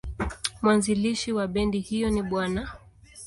Mwanzilishi wa bendi hiyo ni Bw.